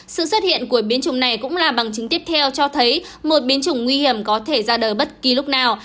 sự xuất hiện của biến chủng này cũng là bằng chứng tiếp theo cho thấy một biến chủng nguy hiểm có thể ra đời bất kỳ lúc nào